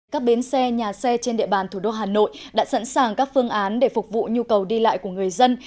các bến xe nhà xe trên địa bàn thủ đô hà nội đã sẵn sàng các phương án để phục vụ nhu cầu đi lại của người dân